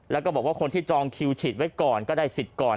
แล้วก็บอกว่าคนที่จองคิวฉีดไว้ก่อนก็ได้สิทธิ์ก่อน